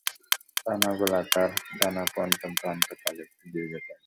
ডানা গোলাকার; ডানার পঞ্চম প্রান্ত-পালকটি দীর্ঘতম।